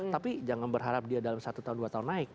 tapi jangan berharap dia dalam satu tahun dua tahun naik